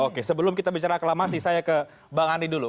oke sebelum kita bicara aklamasi saya ke bang andi dulu